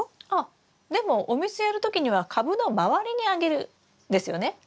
あっでもお水やる時には株の周りにあげるですよね？